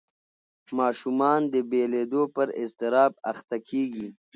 ماشومان د بېلېدو پر اضطراب اخته کېږي.